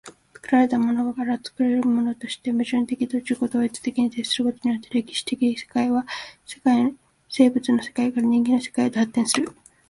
作られたものから作るものへとして、矛盾的自己同一に徹することによって、歴史的世界は生物の世界から人間の世界へと発展する。